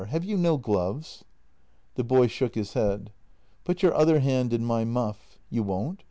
Have you no gloves? " The boy shook his head. " Put your other hand in my muff. You won't?